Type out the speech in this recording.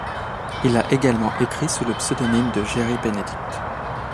Il a également écrit sous le pseudonyme de Jerry Benedict.